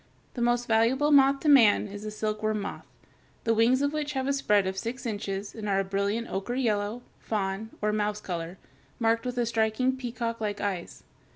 The most valuable moth to man is the silkworm moth, the wings of which have a spread of six inches and are a brilliant ochre yellow, fawn, or mouse color, marked with striking peacock like eyes.